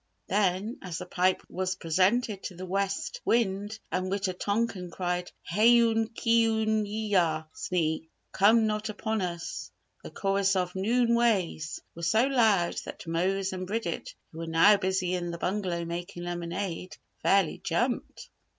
Then, as the pipe was presented to the West Wind, and Wita tonkan cried, "Hay oon kee oon ee ya snee" (Come not upon us) the chorus of "noon ways" was so loud that Mose and Bridget who were now busy in the bungalow making lemonade, fairly jumped.